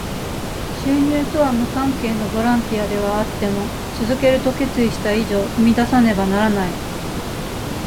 収入とは無関係のボランティアではあっても、続けると決意した以上、踏み出さねばならない。